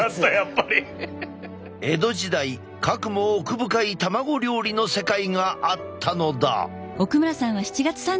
江戸時代かくも奥深い卵料理の世界があったのだ。